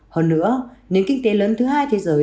hơn nữa nền kinh tế lớn thứ hai thế giới